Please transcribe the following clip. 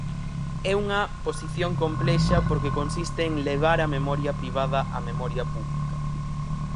É unha posición complexa porque consiste en levar a memoria privada á memoria pública.